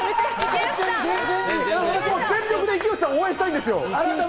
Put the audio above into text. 私も全力で池内さんを応援したいんですよ。